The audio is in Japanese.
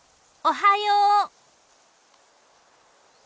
おはよう！